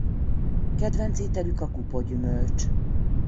Kedvenc ételük a kupogyümölcs.